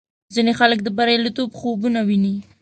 ځینې خلک د بریالیتوب خوبونه ویني.